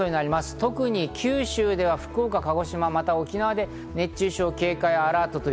特に九州では福岡、鹿児島、また沖縄で熱中症警戒アラート。